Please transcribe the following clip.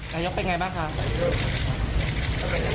นายกเป็นอย่างไรบ้างคะ